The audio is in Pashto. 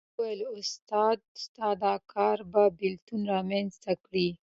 ما وویل استاده ستا دا کار به بېلتون رامېنځته کړي.